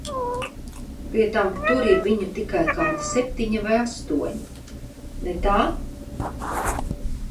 Pie tam, tur ir viņu tikai kādi septiņi vai astoņi, ne tā?